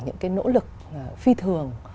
những cái nỗ lực phi thường